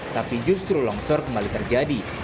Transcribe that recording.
tapi justru longsor kembali terjadi